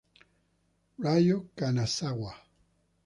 Ryo Kanazawa